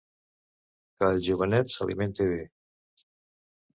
Que el jovenet s'alimente bé...